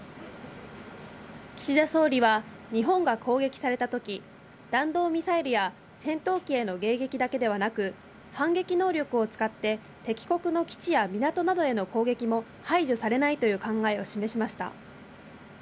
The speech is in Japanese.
岸田総理は、日本が攻撃されたとき、弾道ミサイルや戦闘機への迎撃だけではなく、反撃能力を使って敵国の基地や港などへの攻撃も排除されないという考えを示しました。